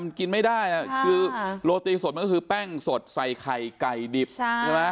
มันกินไม่ได้คือโรตีสดมันก็คือแป้งสดใส่ไข่ไก่ดิบใช่ไหม